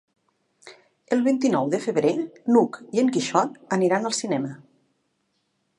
El vint-i-nou de febrer n'Hug i en Quixot aniran al cinema.